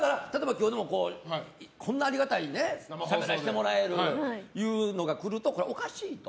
今日でもこんなありがたくしてもらえるっていうのがこれはおかしいと。